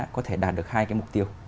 có thể đạt được hai cái mục tiêu